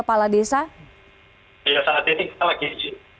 apakah sudah ada keterangan mungkin dari pak halidin ini